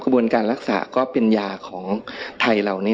กระบวนการรักษาก็เป็นยาของทัยเรา